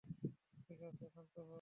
ঠিক আছে, শান্ত হও।